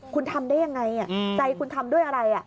คุณทำได้ยังไงใจคุณทำด้วยอะไร